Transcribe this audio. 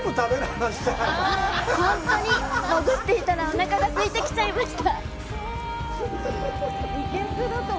ほんとに潜っていたらおなかがすいちゃいました。